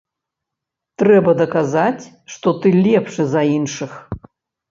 Трэба даказаць, што ты лепшы за іншых.